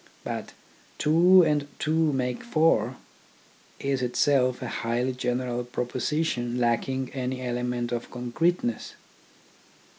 But " two and two make four " is itself a highly general proposition lacking any element of con creteness.